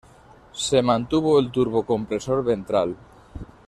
Se mantuvo el turbocompresor ventral.